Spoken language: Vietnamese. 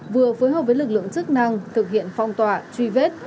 vừa phối hợp với lực lượng chức năng thực hiện phong tỏa truy vết